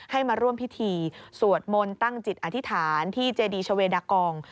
ให้มาร่วมพิธีสวดมนต์ตั้งจิตอธิษฐานที่เจดีชาเวดากอง